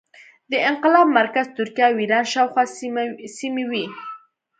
د انقلاب مرکز ترکیه او ایران شاوخوا سیمې وې.